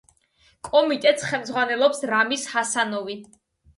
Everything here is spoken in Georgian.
კომიტეტს ხელმძღვანელობს რამიზ ჰასანოვი.